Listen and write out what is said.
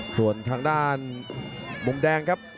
ส่วนทางด้านมุมแดงครับ